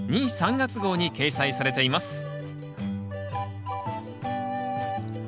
・３月号に掲載されています